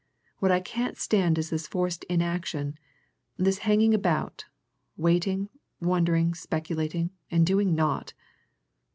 What I can't stand is this forced inaction, this hanging about, waiting, wondering, speculating and doing naught!"